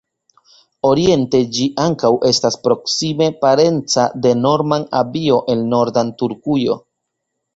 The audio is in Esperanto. Oriente ĝi ankaŭ estas proksime parenca de Nordman-abio el norda Turkujo.